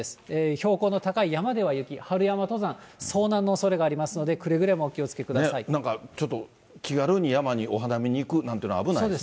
標高の高い山では雪、春山登山、遭難のおそれがありますので、なんかちょっと、気軽に山にお花見に行くなんていうのは危ないです。